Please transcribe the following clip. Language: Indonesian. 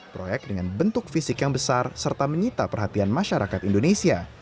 proyek dengan bentuk fisik yang besar serta menyita perhatian masyarakat indonesia